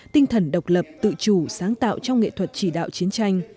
tinh thần độc lập tự chủ sáng tạo trong nghệ thuật chỉ đạo chiến tranh